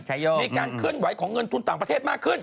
มีการเคลื่อนไหวของเงินทุนต่างประเทศมากขึ้น